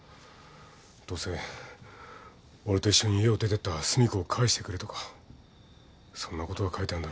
どうせ俺と一緒に家を出てった寿美子を返してくれとかそんなことが書いてあんだろ。